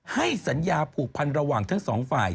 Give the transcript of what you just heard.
ให้สัญญาผูกพันระหว่างทั้งสองฝ่าย